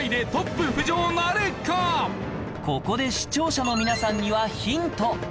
ここで視聴者の皆さんにはヒント